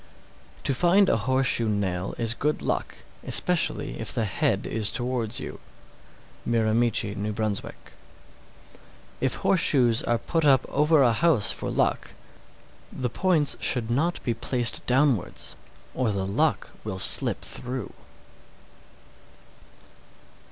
_ 635. To find a horseshoe nail is good luck, especially if the head is towards you. Miramichi, N.B. 636. If horseshoes are put up over a house for luck, the points should not be placed downwards, or the luck will slip through.